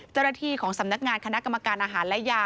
เจ้าหน้าที่ของสำนักงานคณะกรรมการอาหารและยา